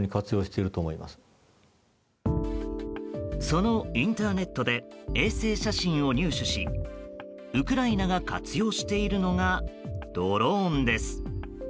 そのインターネットで衛星写真を入手しウクライナが活用しているのがドローンです。